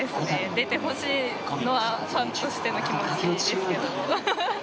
出てほしいのはファンとしての気持ちですけど。